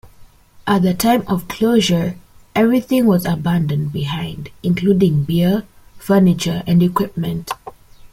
At the time of closure, everything was abandoned behind, including beer, furniture and equipment.